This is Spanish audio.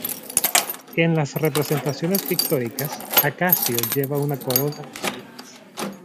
En las representaciones pictóricas Acacio lleva una corona de espinas.